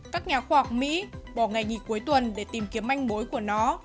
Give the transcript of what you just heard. các nhà khoa học mỹ bỏ ngày nhịp cuối tuần để tìm kiếm manh bối của nó